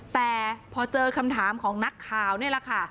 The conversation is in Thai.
แต่พอเจอคำถามของนักข่าวนี่แหละค่ะ